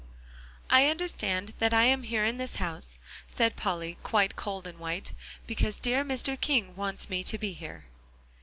"I understand that I am here in this house," said Polly, quite cold and white, "because dear Mr. King wants me to be here."